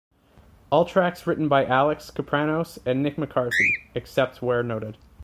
All tracks written by Alex Kapranos and Nick McCarthy, except where noted.